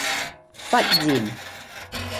忽然